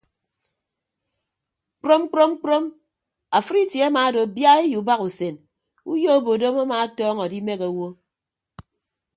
Kprom kprom kprom afịd itie amaado biaii ubahasen uyo obodom ama atọñọ adimehe owo.